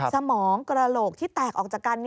สมองกระโหลกที่แตกออกจากกัน